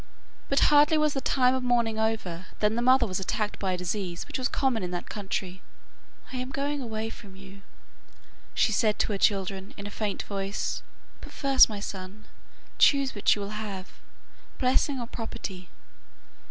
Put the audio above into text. But hardly was the time of mourning over, than the mother was attacked by a disease which was common in that country. 'I am going away from you,' she said to her children, in a faint voice; 'but first, my son, choose which you will have: blessing or property.